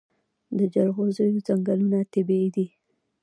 د جلغوزیو ځنګلونه طبیعي دي؟